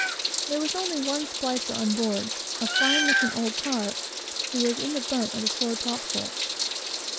There was only one "splicer" on board, a fine looking old tar, who was in the bunt of the fore topsail.